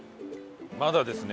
まだですね。